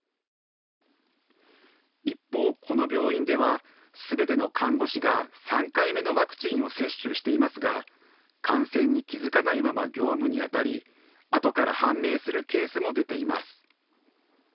一方、この病院ではすべての看護師が３回目のワクチンを接種していますが感染に気付かないまま業務にあたりあとから判明するケースも出ています。